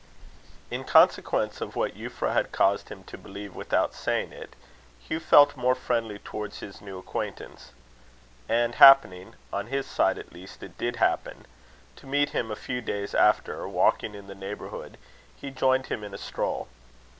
In consequence of what Euphra had caused him to believe without saying it, Hugh felt more friendly towards his new acquaintance; and happening on his side at least it did happen to meet him a few days after, walking in the neighbourhood, he joined him in a stroll.